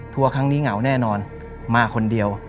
ครั้งนี้เหงาแน่นอนมาคนเดียว